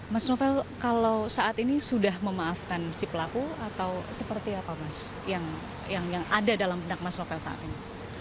mas novel kalau saat ini sudah memaafkan si pelaku atau seperti apa mas yang ada dalam benak mas novel saat ini